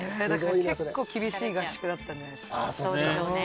結構、厳しい合宿だったんじゃないですか。